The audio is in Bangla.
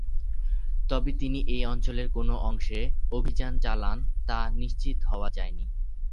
তবে তিনি এই অঞ্চলের কোন অংশে অভিযান চালান তা নিশ্চিত হওয়া যায়নি।